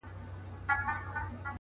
• د نورو تر شعرونو هم مغلق سي ,